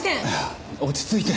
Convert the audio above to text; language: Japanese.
落ち着いて。